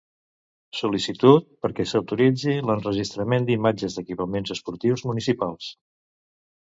Sol·licitud perquè s'autoritzi l'enregistrament d'imatges d'equipaments esportius municipals.